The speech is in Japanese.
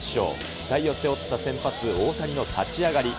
期待を背負った先発、大谷の立ち上がり。